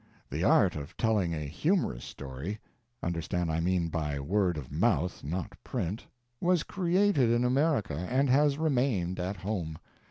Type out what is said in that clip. The art of telling a humorous story understand, I mean by word of mouth, not print was created in America, and has remained at home.